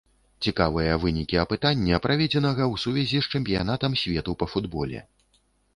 Цікавыя вынікі апытання, праведзенага ў сувязі з чэмпіянатам свету па футболе.